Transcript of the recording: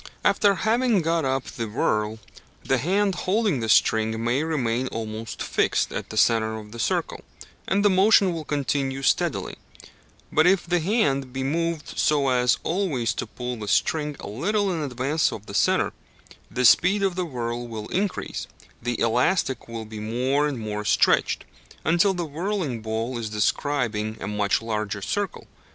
After having got up the whirl, the hand holding the string may remain almost fixed at the centre of the circle, and the motion will continue steadily; but if the hand be moved so as always to pull the string a little in advance of the centre, the speed of whirl will increase, the elastic will be more and more stretched, until the whirling ball is describing a much larger circle.